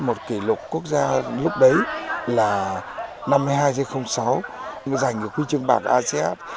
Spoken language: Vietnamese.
một kỷ lục quốc gia lúc đấy là năm mươi hai sáu giành quy chương bạc asean